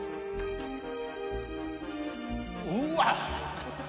うわっ！